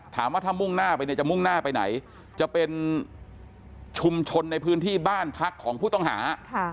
ถามว่าถ้ามุ่งหน้าไปเนี่ยจะมุ่งหน้าไปไหนจะเป็นชุมชนในพื้นที่บ้านพักของผู้ต้องหา